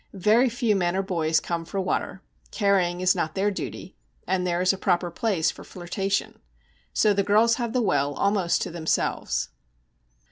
Very few men or boys come for water; carrying is not their duty, and there is a proper place for flirtation. So the girls have the well almost to themselves.